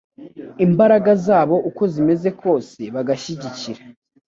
imbaraga zabo uko zimeze kose bagashyigikira